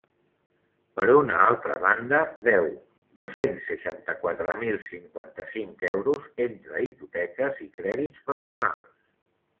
Per una altra banda, deu dos-cents seixanta-quatre mil cinquanta-cinc euros entre hipoteques i crèdits personals.